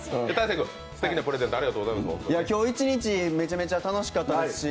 今日一日、めちゃめちゃ楽しかったですし